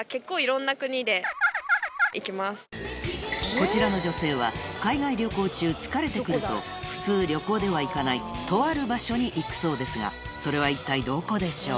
こちらの女性は海外旅行中疲れてくると普通旅行では行かないとある場所に行くそうですがそれは一体どこでしょう？